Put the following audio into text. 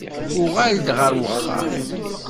Uɣal-d ɣer wexxam.